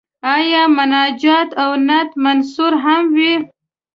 آیا مناجات او نعت منثور هم وي.